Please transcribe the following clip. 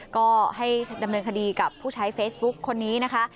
ก็ให้ดำเนินคดีกับผู้ใช้เฟซบุ๊คคนนี้นะคะ